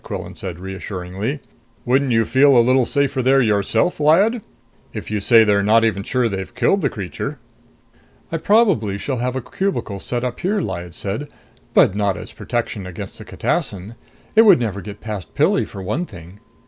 Quillan said reassuringly. "Wouldn't you feel a little safer there yourself, Lyad? If you say they're not even sure they've killed the creature...." "I probably shall have a cubicle set up here," Lyad said. "But not as protection against a catassin. It would never get past Pilli, for one thing."